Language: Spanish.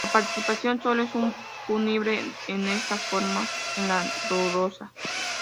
La participación solo es punible en esta forma, en la dolosa.